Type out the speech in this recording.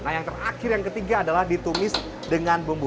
nah yang terakhir yang ketiga adalah ditumis dengan bumbu